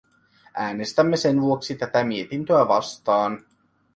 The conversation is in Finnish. Äänestämme sen vuoksi tätä mietintöä vastaan.